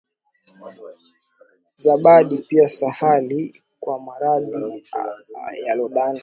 Zabadi pia sahali, kwa maradhi yalondani,